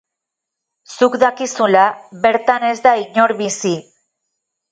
Zuk dakizula, bertan ez da inor bizi.